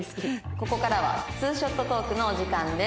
「ここからはツーショットトークのお時間です」